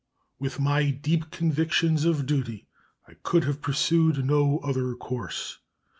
With my deep convictions of duty I could have pursued no other course.